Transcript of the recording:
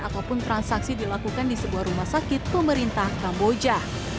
ataupun transaksi dilakukan di sebuah rumah sakit pemerintah kamboja